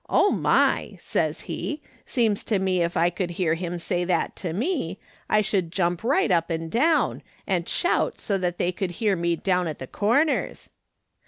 ' Oh, my !' says he, ' seems to me if I could hear him say that to me, I should jump right up and down, and shout so they could hear me down at the Corners.'